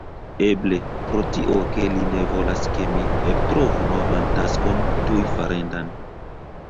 Eble, pro tio ke li ne volas ke mi eltrovu novan taskon tuj farendan.